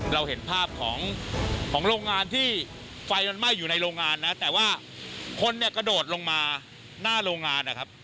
เราเห็นภาพของของโรงงานที่ไฟมันไหม้อยู่ในโรงงานนะแต่ว่าคนเนี่ยกระโดดลงมาหน้าโรงงานนะครับ